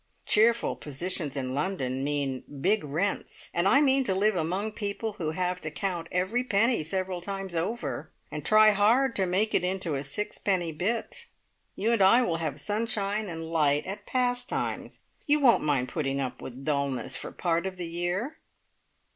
Cheerful positions in London mean big rents, and I mean to live among people who have to count every penny several times over, and try hard to make it into a sixpenny bit. You and I will have sunshine and light at Pastimes you won't mind putting up with dullness for part of the year?"